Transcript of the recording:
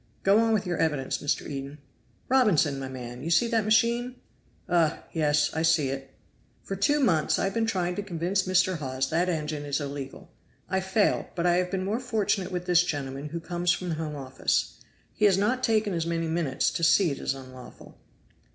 "Go on with your evidence, Mr. Eden." "Robinson, my man, you see that machine?" "Ugh! yes, I see it." "For two months I have been trying to convince Mr. Hawes that engine is illegal. I failed; but I have been more fortunate with this gentleman who comes from the Home Office. He has not taken as many minutes to see it is unlawful."